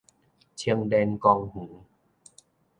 青年公園